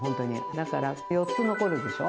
だから４つ残るでしょ？